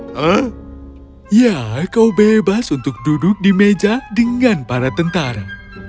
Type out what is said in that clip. hah ya kau bebas untuk duduk di meja dengan para tentara